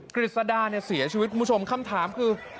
กฤษดาเนี่ยเสียชีวิตคุณผู้ชมคำถามคือ